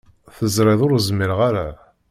Teẓriḍ ur zmireɣ ara.